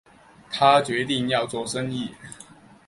他决定要做生意